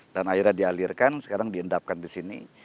dan akhirnya dialirkan sekarang diendapkan di sini